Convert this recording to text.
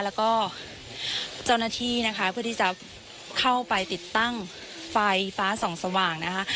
แล้วก็เจ้าหน้าที่นะคะเพื่อที่จะเข้าไปติดตั้งไฟฟ้าส่องสว่างนะคะ